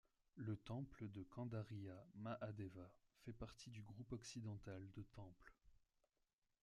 Le temple de Kandariya Mahadeva fait partie du groupe occidental de temples.